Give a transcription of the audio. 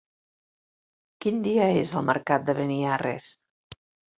Quin dia és el mercat de Beniarrés?